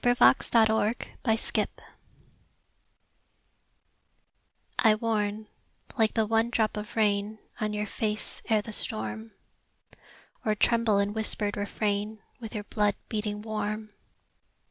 THE VOICE OF THE VOID I warn, like the one drop of rain On your face, ere the storm; Or tremble in whispered refrain With your blood, beating warm.